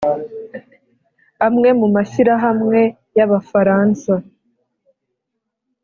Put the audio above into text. amwe mu mashyirahamwe y'abafaransa